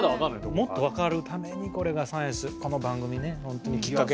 もっと分かるためにこれがサイエンスこの番組ね本当にきっかけに広まるとね。